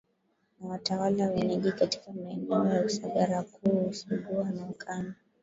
na watawala wenyeji katika maeneo ya Usagara Nguru Useguha na Ukami